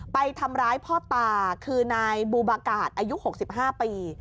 ไปทำร้ายพ่อตาคือนายบูบากาศอายุ๖๕ปี